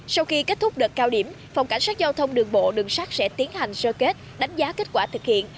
sau khi kết thúc đợt cao điểm phòng cảnh sát giao thông đường bộ đường sát sẽ tiến hành sơ kết đánh giá kết quả thực hiện